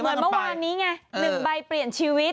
เหมือนเมื่อวานนี้ไง๑ใบเปลี่ยนชีวิต